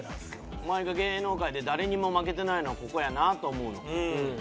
お前が芸能界で誰にも負けてないのはここやなと思うの。